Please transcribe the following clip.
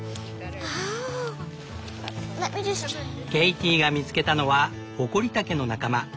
ケイティが見つけたのはホコリタケの仲間。